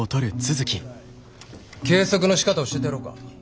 計測のしかた教えてやろうか？